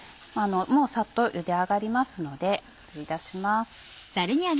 サッとゆで上がりますので取り出します。